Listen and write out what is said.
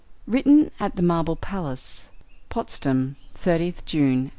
Written at the Marble Palace, Potsdam, 30th June, 1832.